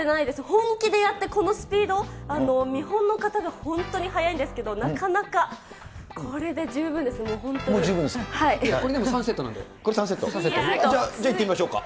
本気でやってこのスピード、見本の方が本当に速いんですけど、なかなかこれで十分ですね、もう十分ですか。